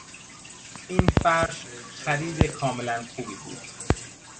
این فرش خرید کاملا خوبی بود.